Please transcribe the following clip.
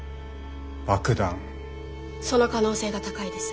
その可能性が高いです。